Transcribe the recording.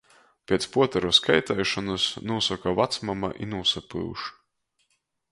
Piec puoteru skaiteišonys nūsoka vacmama i nūsapyuš.